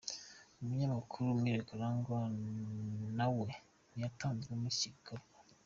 Umunyamakuru Mike Karangwa nawe ntiyatanzwe muri iki gikorwa.